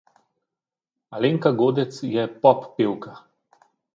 Alenka Godec je pop pevka.